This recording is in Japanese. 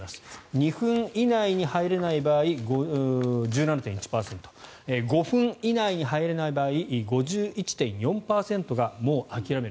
２分以内に入れない場合１７．１％５分以内に入れない場合５１．４％がもう諦める。